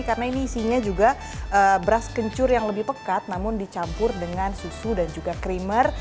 karena ini isinya juga beras kencur yang lebih pekat namun dicampur dengan susu dan juga krimer